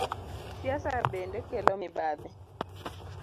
Siasa bende kelo mibadhi.